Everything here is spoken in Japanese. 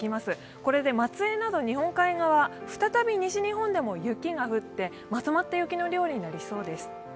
これで松江など日本海側、再び西日本でも雪が降ってまとまった雪の量になりそうです。